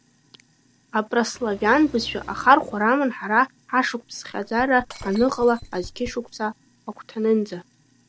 Апраславиан бызшәа ахархәара аман ҳара ҳашықәсԥхьаӡара аныҟала азқьышықәса агәҭанынӡа.